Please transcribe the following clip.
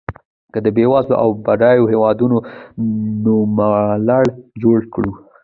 که د بېوزلو او بډایو هېوادونو نوملړ جوړ کړو.